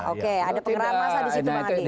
oke ada pengerahan massa di situ bang andi